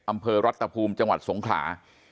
อำเภอรัฐภูมิจังหวัดสงขลา